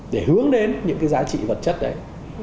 để hướng đến những cái giá trị vật chất đấy